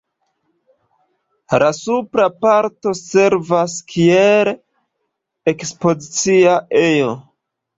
La supra parto servas kiel ekspozicia ejo.